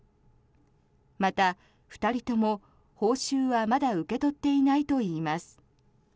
また、２人とも報酬はまだ受け取っていないといいます。